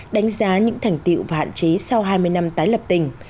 đánh giá những thành tiệu và hạn chế sau hai mươi năm tái lập tỉnh